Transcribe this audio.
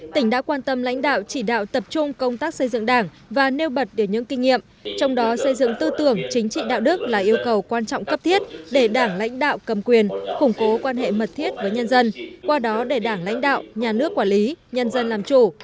tỉnh đã quan tâm lãnh đạo chỉ đạo tập trung công tác xây dựng đảng và nêu bật đến những kinh nghiệm trong đó xây dựng tư tưởng chính trị đạo đức là yêu cầu quan trọng cấp thiết để đảng lãnh đạo cầm quyền khủng cố quan hệ mật thiết với nhân dân qua đó để đảng lãnh đạo nhà nước quản lý nhân dân làm chủ